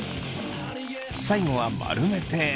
最後は丸めて。